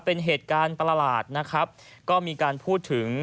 เป็นเหตุการณ์ประหลาดนะครับก็มีการพูดถึง